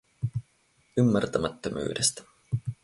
Ymmärtämättömyydestä.